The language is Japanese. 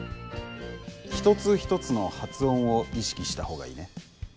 一つ一つの発音を意識した方がいいね。